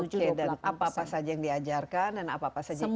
oke dan apa apa saja yang diajarkan dan apa apa saja